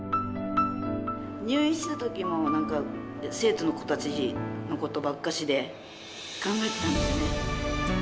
入院したときもなんか生徒の子たちばっかし考えていたんですね。